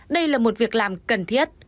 đây là một việc làm cần thiết